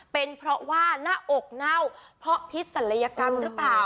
เป็นเพราะว่าหน้าอกเน่าเพราะพิษศัลยกรรมหรือเปล่า